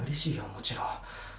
もちろん。